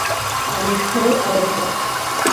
Connect হও, আর একবার।